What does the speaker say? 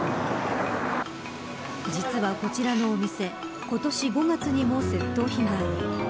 実はこちらのお店今年５月にも窃盗被害に。